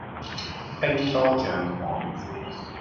兵多將廣